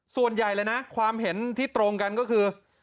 ส่วนใหญ่เลยนะความเห็นที่ตรงกันก็คือ